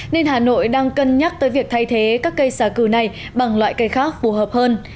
nên hà nội đang cân nhắc tới việc thay thế các cây xả cừu này bằng loại cây khác phù hợp hơn